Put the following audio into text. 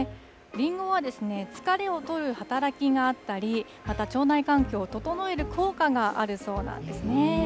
りんごは疲れを取る働きがあったり、また腸内環境を整える効果があるそうなんですね。